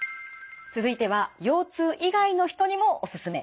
続いては腰痛以外の人にもオススメ。